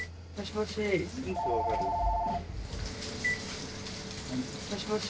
もしもし。